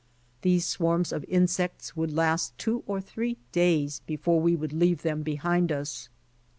These swarms of insects would last two or three days before we would leave them behind us.